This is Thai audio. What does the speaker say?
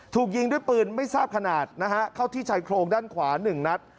ถูกยิงด้วยปืนไม่ทราบขนาดนะฮะเข้าที่ชายโครงด้านขวา๑นัด